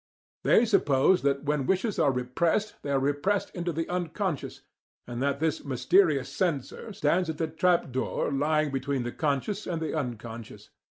They suppose that when wishes are repressed they are repressed into the 'unconscious,' and that this mysterious censor stands at the trapdoor lying between the conscious and the unconscious.